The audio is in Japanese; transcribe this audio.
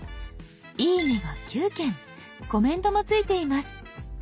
「いいね」が９件コメントもついています。